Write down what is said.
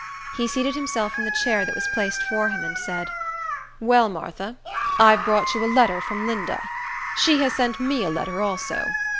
He seated himself in the chair that was placed for him, and said, "Well, Martha, I've brought you a letter from Linda. She has sent me a letter, also.